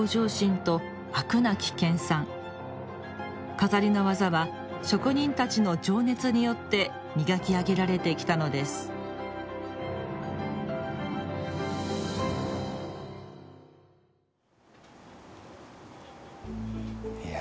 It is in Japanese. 錺の技は職人たちの情熱によって磨き上げられてきたのですいや